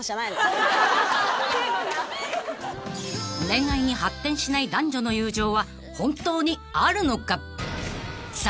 ［恋愛に発展しない男女の友情は本当にあるのか］